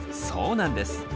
そうなんです。